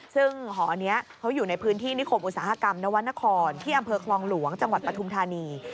ซึ่งหอนี้เขาอยู่ในพื้นที่นิคมอุตสาหกรรมนวรรณครที่อำเภอคลองหลวงจังหวัดปฐุมธานี